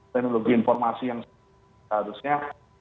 teknologi informasi yang seharusnya